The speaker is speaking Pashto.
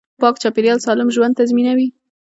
پاک چاپیریال سالم ژوند تضمینوي